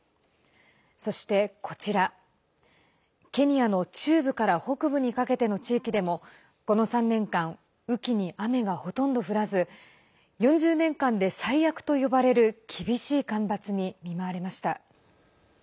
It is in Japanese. そして、ケニアの中部から北部にかけての地域でもこの３年間雨期に雨がほとんど降らず４０年間で最悪と呼ばれる厳しい干ばつに見舞われました。